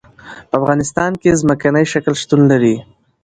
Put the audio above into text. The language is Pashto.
په افغانستان کې ځمکنی شکل شتون لري.